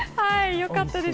よかったです。